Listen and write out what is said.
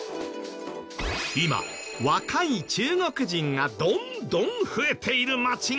今若い中国人がどんどん増えている街がある。